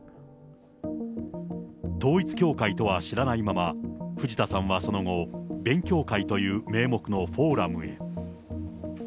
統一教会とは知らないまま、藤田さんはその後、勉強会という名目のフォーラムへ。